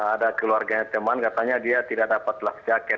ada keluarganya teman katanya dia tidak dapat life jacket